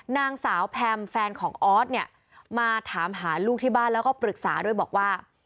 นางสาวแพมแฟนของออสเนี่ยมาถามหาลูกที่บ้านแล้วก็ปรึกษาด้วยบอกว่า